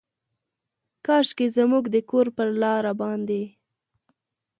کاشکي زموږ د کور پر لاره باندې،